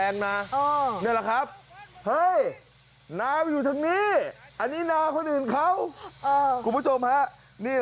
น้ำก็อยู่ทางนี้